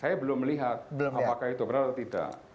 saya belum melihat apakah itu benar atau tidak